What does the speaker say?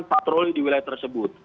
patroli di wilayah tersebut